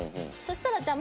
したらじゃあ